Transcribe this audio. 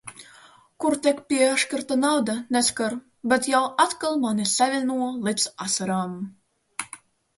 Kur tiek piešķirta nauda, neskar, bet jau atkal mani saviļņo līdz asarām.